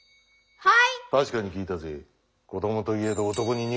はい！